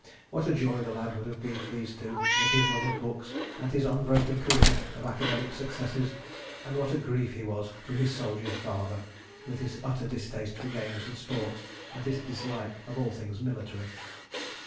... What a joy the lad would have been to these two, with his love of books and his unbroken career of academic successes, and what a grief he was to his soldier father, with his utter distaste for games and sports and his dislike of all things military.